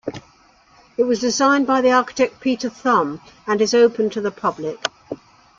It was designed by the architect Peter Thumb and is open to the public.